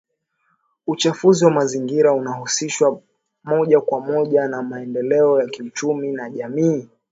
Uchafuzi wa mazingira unahusishwa moja kwa moja na maendeleo ya kiuchumi na kijamii